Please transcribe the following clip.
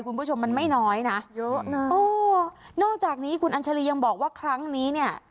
คุณผู้ชมมันไม่น้อยนะนอกจากนี้ทุกคนอัลชาลียังบอกว่าครั้งนี้เนี่ย